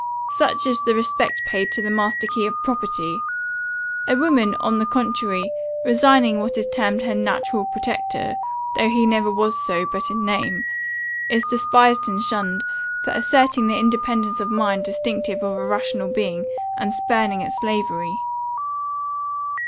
Such is the respect paid to the master key of property! A woman, on the contrary, resigning what is termed her natural protector (though he never was so, but in name) is despised and shunned, for asserting the independence of mind distinctive of a rational being, and spurning at slavery.